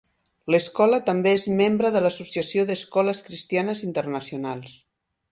L'escola també és membre de l'Associació d'Escoles Cristianes Internacionals.